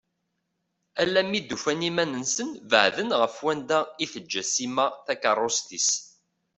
Alammi i d-ufan iman-nsen beɛden ɣef wanda i teǧǧa Sima takerrust-is.